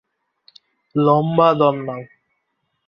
লম্বা দম নাও।